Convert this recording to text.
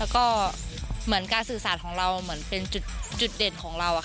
การศึกษาของเราเหมือนเป็นจุดเด่นของเรา